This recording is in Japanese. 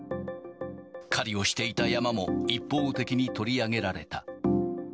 狩りをしていた山も一方的に取り上げられた。